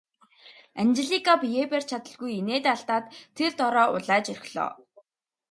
Анжелика биеэ барьж чадалгүй инээд алдаад тэр дороо улайж орхилоо.